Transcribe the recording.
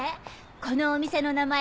このお店の名前